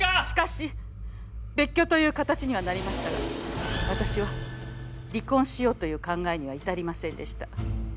「しかし別居という形にはなりましたが私は離婚しようという考えには至りませんでした。